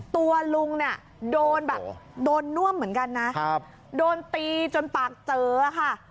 ตัวลุงเนี่ยโดนแบบโดนน่วมเหมือนกันนะโดนตีจนปากเจอค่ะ